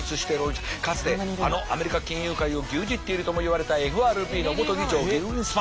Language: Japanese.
かつてあのアメリカ金融界を牛耳っているともいわれたＦＲＢの元議長グリーンスパン。